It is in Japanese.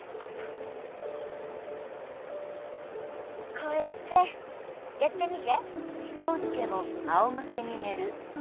こうやってやってみて。